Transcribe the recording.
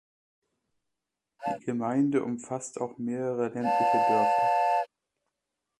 Die Gemeinde umfasst auch mehrere ländliche Dörfer.